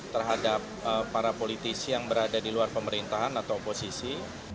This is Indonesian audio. terhadap para politisi yang berada di luar pemerintahan atau oposisi